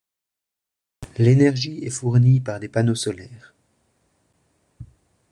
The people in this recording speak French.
L'énergie est fournie par des panneaux solaires.